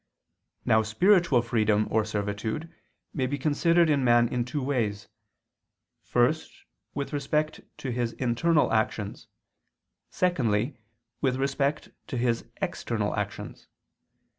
Now spiritual freedom or servitude may be considered in man in two ways: first, with respect to his internal actions; secondly, with respect to his external actions.